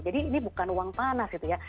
jadi ini bukan uang panas gitu ya